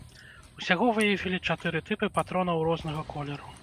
Усяго выявілі чатыры тыпы патронаў рознага колеру.